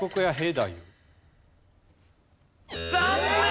残念！